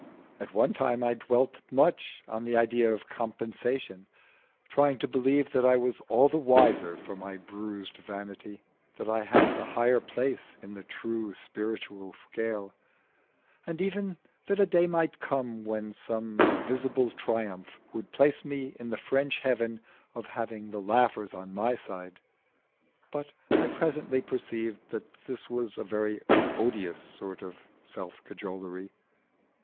At one time I dwelt much on the idea of compensation; trying to believe that I was all the wiser for my bruised vanity, that I had the higher place in the true spiritual scale, and even that a day might come when some visible triumph would place me in the French heaven of having the laughers on my side. But I presently perceived that this was a very odious sort of self cajolery.